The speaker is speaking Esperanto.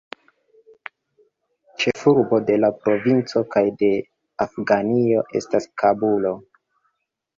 Ĉefurbo de la provinco kaj de Afganio estas Kabulo.